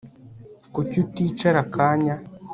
Kuki uticara akanya